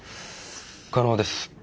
可能です。